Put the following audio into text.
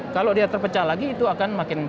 kalau dia terpecah lagi itu akan makin